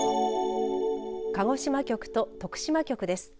鹿児島局と徳島局です。